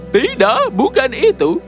tidak bukan itu